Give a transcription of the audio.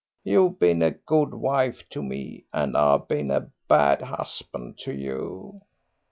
You've been a good wife to me, and I've been a bad husband to you."